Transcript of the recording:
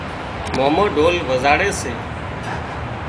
مامو ڍول وزاڙي سي